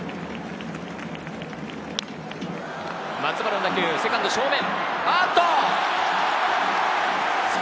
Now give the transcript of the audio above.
松原の打球、セカンド正面！